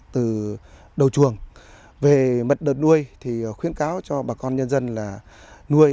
từ đầu chuồng về mật độ nuôi thì khuyến cáo cho bà con nhân dân là nuôi